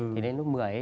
thì đến lúc một mươi ấy